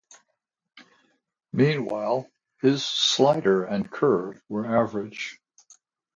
Meanwhile, his slider and curve were average.